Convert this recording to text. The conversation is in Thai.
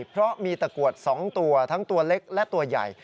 เพราะมีตะกรวด๒ตัวทั้งตัวเล็กและตัวใหญ่